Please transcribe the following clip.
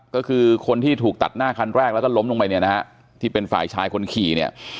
ก็คือคนที่ถูกตัดหน้าคันแรกแล้วก็ล้มลงไปเนี่ยนะฮะที่เป็นฝ่ายชายคนขี่เนี่ย